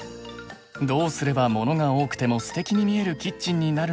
どうすればモノが多くてもステキに見えるキッチンになるのか。